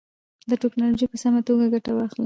له ټکنالوژۍ په سمه توګه ګټه واخلئ.